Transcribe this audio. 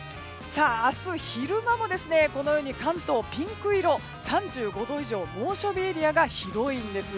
明日昼間も関東、ピンク色の３５度以上猛暑日エリアが広いんです。